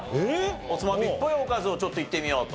おつまみっぽいおかずをちょっといってみようと。